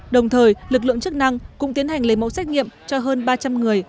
đồng thời lực lượng chức năng cũng tiến hành lấy mẫu xét nghiệm cho hơn ba trăm linh người